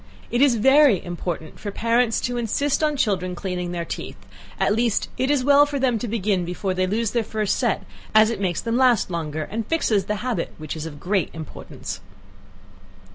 It is very important for parents to insist on children cleaning their teeth, at least, it is well for them to begin before they lose their first set, as it makes them last longer, and fixes the habit, which is of great importance.